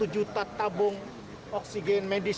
satu juta tabung oksigen medis